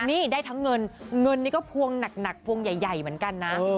นี่ได้ทั้งเงินเงินนี่ก็พวงหนักพวงใหญ่เหมือนกันนะ